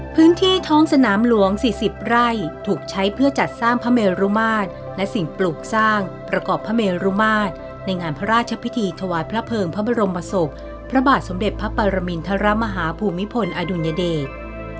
พื้นที่ท้องสนามหลวง๔๐ไร่ถูกใช้เพื่อจัดสร้างพระเมรุมาตรและสิ่งปลูกสร้างประกอบพระเมรุมาตรในงานพระราชพิธีถวายพระเภิงพระบรมศพพระบาทสมเด็จพระปรมินทรมาฮาภูมิพลอดุลยเดช